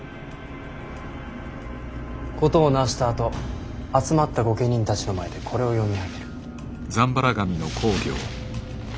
事をなしたあと集まった御家人たちの前でこれを読み上げる。